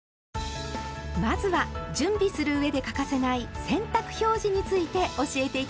まずは準備する上で欠かせない「洗濯表示」について教えて頂きましょう。